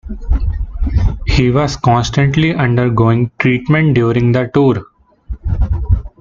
He was constantly undergoing treatment during the tour.